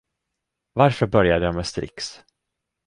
Varför började jag med Strix?